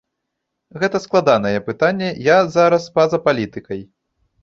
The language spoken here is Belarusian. Гэта складанае пытанне, я зараз па-за палітыкай.